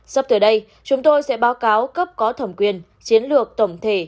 sắp tới đây chúng tôi sẽ báo cáo cấp có thẩm quyền chiến lược tổng thể